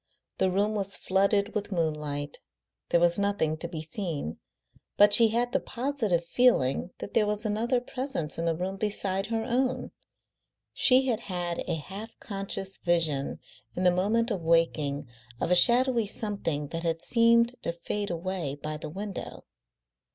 The room was flooded with moonlight, there was nothing to be seen, but she had the positive feeling that there was another presence in the room beside her own; she had had a half conscious vision in the moment of waking of a shadowy something that had seemed to fade away by the window.